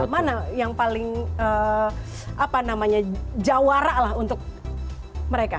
mana yang paling jawara lah untuk mereka